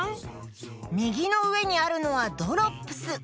みぎのうえにあるのはドロップス。